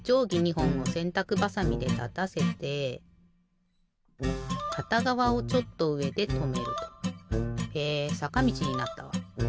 ほんをせんたくばさみでたたせてかたがわをちょっとうえでとめると。へえさかみちになったわ。